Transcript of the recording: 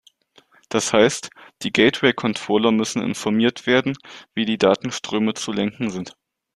Das heißt, die Gateway Controller müssen informiert werden, wie die Datenströme zu lenken sind.